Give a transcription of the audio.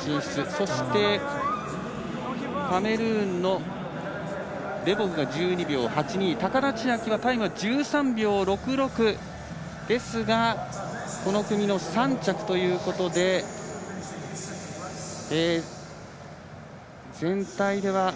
そして、カメルーンのレボグが１２秒８２高田千明のタイムは１３秒６６ですがこの組の３着ということで全体では。